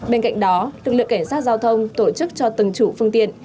bên cạnh đó lực lượng cảnh sát giao thông tổ chức cho từng chủ phương tiện